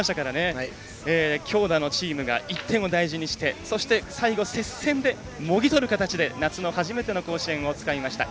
強打のチームが１点を大事にしてそして最後、接戦でもぎ取る形で夏の初めての甲子園をつかみました。